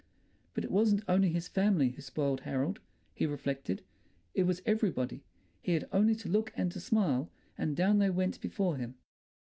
But it wasn't only his family who spoiled Harold, he reflected, it was everybody; he had only to look and to smile, and down they went before him.